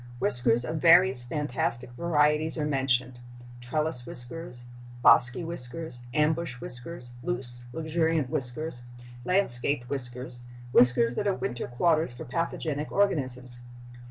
Whiskers of various fantastic varieties are mentioned—trellis whiskers, bosky whiskers, ambush whiskers, loose, luxuriant whiskers, landscaped whiskers, whiskers that are winter quarters for pathogenic organisms.